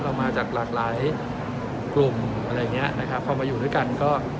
เรามาจากหลากหลายกลุ่มอะไรอย่างเงี้ยนะครับพอมาอยู่ด้วยกันก็